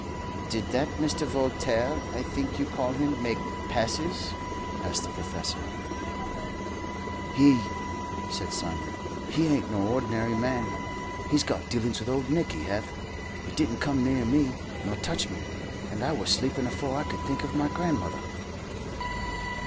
"Did that Mr. Voltaire, I think you call him, make passes?" asked the professor. "He!" said Simon. "He ain't no ordinary man. He's got dealin's with old Nick, he hev. He didn't come near me, nor touch me, and I wur sleepin' afore I could think of my grandmother."